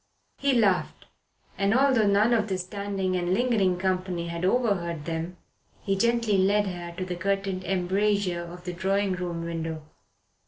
He laughed, and although none of the standing and lingering company had overheard them, he gently led her to the curtained embrasure of the drawing room window.